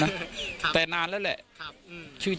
แล้วอันนี้ก็เปิดแล้ว